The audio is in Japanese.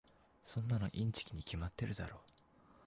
そんなのインチキに決まってるだろ。